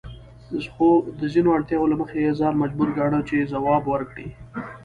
خو د ځینو اړتیاوو له مخې یې ځان مجبور ګاڼه چې ځواب ورکړي.